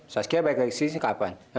saskia balik lagi ke sini kapan